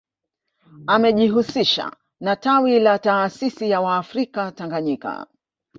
Amejihusisha na tawi la taasisi ya waafrika Tanganyika